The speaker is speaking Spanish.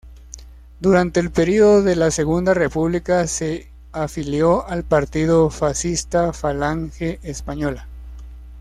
Durante el periodo de la Segunda República se afilió al partido fascista Falange Española.